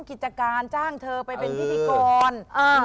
กิจการจ้างเธอไปเป็นพิธีกร